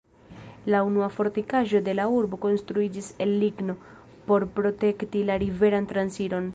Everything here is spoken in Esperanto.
La unua fortikaĵo de la urbo konstruiĝis el ligno, por protekti la riveran transiron.